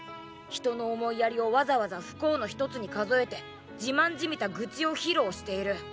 人の思いやりをわざわざ不幸の一つに数えて自慢じみた愚痴を披露している。